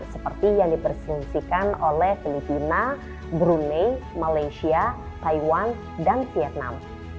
seperti yang dipersikan oleh filipina brunei malaysia taiwan dan vietnam